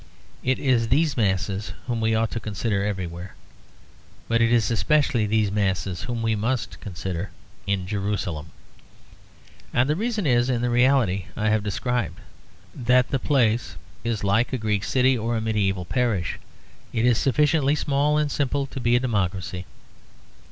It is these masses whom we ought to consider everywhere; but it is especially these masses whom we must consider in Jerusalem. And the reason is in the reality I have described; that the place is like a Greek city or a medieval parish; it is sufficiently small and simple to be a democracy.